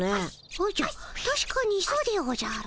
おじゃたしかにそうでおじゃる。